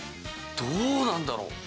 どうなんだろう？